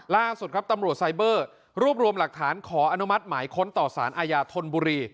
ล่าสุดครับตำรวจไซเบอร์รวบรวมหลักฐานขออนุมัติหมายค้นต่อสารอาญาธนบุรี